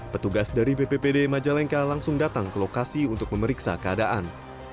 petugas dari bppd majalengka langsung datang ke lokasi untuk memeriksa keadaan